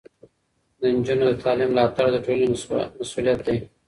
د نجونو د تعلیم ملاتړ د ټولنې مسؤلیت دی.